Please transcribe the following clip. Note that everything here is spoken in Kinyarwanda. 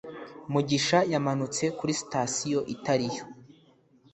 mugisha yamanutse kuri sitasiyo itariyo